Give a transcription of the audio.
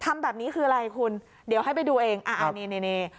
ทำแบบนี้คืออะไรคุณเดี๋ยวให้ไปดูเองอ่านี่นี่